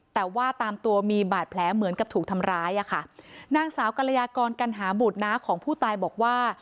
แต่ว่าตามตัวมีบาดแผลเหมือนกับถูกทำร้ายอ่ะค่ะนางสาวกรยากรกัณหาบุตรน้าของผู้ตายบอกว่า